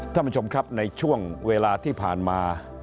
ท่านผู้ชมครับในช่วงเวลาที่ผ่านมา